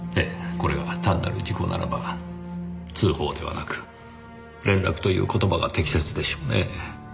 これが単なる事故ならば通報ではなく連絡という言葉が適切でしょうねぇ。